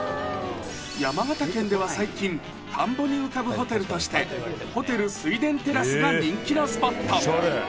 山形県では最近、田んぼに浮かぶホテルとして、ホテル・スイデンテラスが人気のスポット。